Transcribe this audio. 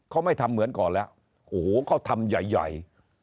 เขาไม่ทำเหมือนก่อนแล้วโอ้โหเขาทำใหญ่